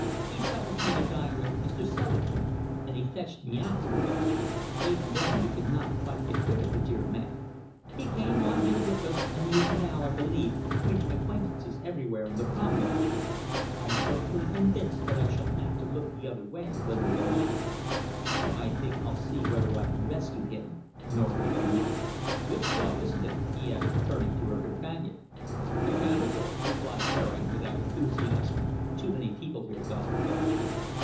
He suffered me to dine with Mr. Selingman, and he fetched me afterwards. Even then we could not quite get rid of the dear man. He came on here with us, and he is now, I believe, greeting acquaintances everywhere in the Promenade. I am perfectly convinced that I shall have to look the other way when we go out." "I think I'll see whether I can rescue him," Norgate remarked. "Good show, isn't it?" he added, turning to her companion. "Capital," replied Baring, without enthusiasm. "Too many people here, though."